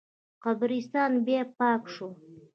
قبرستان بیا پاک شو.